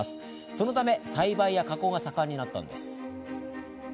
そのため、栽培や加工が盛んになったんです。